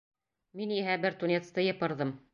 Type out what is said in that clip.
Мин иһә бер тунецты йыпырҙым.